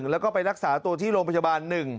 แล้วก็ไปรักษาตัวที่โรงพยาบาล๑